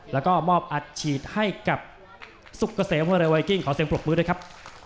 แล้วก็มอบอัดฉีดให้กับสุกเกษมเวอร์เรไวกิ้งขอเสียงปรบมือด้วยครับ